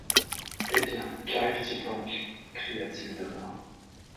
Eh bien ! qu’arrive-t-il donc ? cria-t-il de loin.